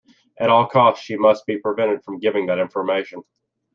At all costs she must be prevented from giving that information.